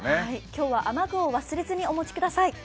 今日は雨具を忘れずにお持ちください。